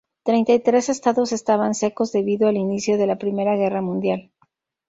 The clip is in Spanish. Treinta y tres estados estaban secos debido al inicio de la Primera Guerra Mundial.